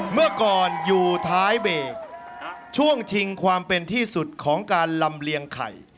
เมื่อก่อนอยู่ท้ายเบรกช่วงชิงความเป็นที่สุดของการลำเลียงไข่